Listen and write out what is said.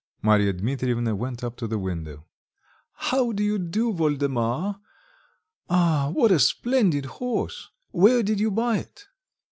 Marya Dmitrievna went up to the window. "How do you do, Woldemar! Ah, what a splendid horse! Where did you buy it?"